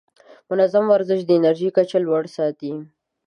منظم ورزش د انرژۍ کچه لوړه ساتي.